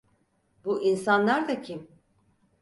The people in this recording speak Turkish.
Bu insanlar da kim?